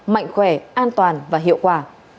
mạnh khỏe an toàn và hiệu quả